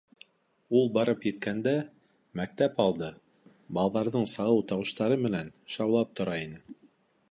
Ул барып еткәндә, мәктәп алды балаларҙың сағыу тауыштары менән шаулап тора ине.